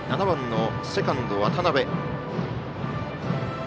７番のセカンド、渡辺。